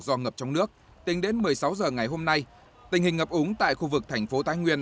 do ngập trong nước tính đến một mươi sáu h ngày hôm nay tình hình ngập úng tại khu vực thành phố thái nguyên